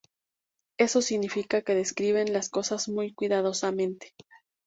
Esto significa que describen las cosas muy cuidadosamente.